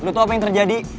lo tau apa yang terjadi